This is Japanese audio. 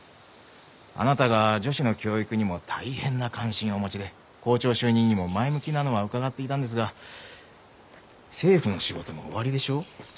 あなたが女子の教育にも大変な関心をお持ちで校長就任にも前向きなのは伺っていたんですが政府の仕事もおありでしょう？